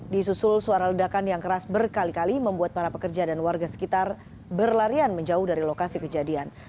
disusul suara ledakan yang keras berkali kali membuat para pekerja dan warga sekitar berlarian menjauh dari lokasi kejadian